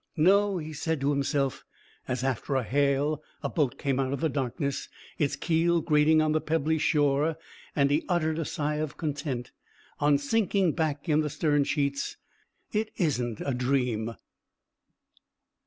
"No," he said to himself, as after a hail a boat came out of the darkness, its keel grating on the pebbly shore, and he uttered a sigh of content on sinking back in the stern sheets; "it isn't a dream."